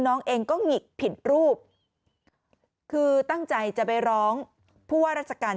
น้องเองก็หงิกผิดรูปคือตั้งใจจะไปร้องผู้ว่าราชการ